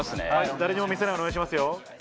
誰にも見せないようにお願いしますよ。